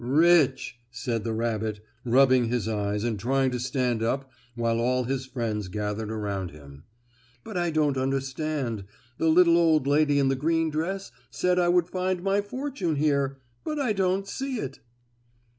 "Rich!" said the rabbit, rubbing his eyes and trying to stand up while all his friends gathered around him. "But I don't understand. The little old lady in the green dress said I would find my fortune here, but I don't see it."